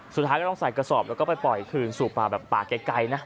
สุดท้ายก็ต้องใส่กระสอบแล้วก็ไปปล่อยคืนสู่ป่าแบบป่าไกลนะ